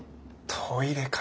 トイレか。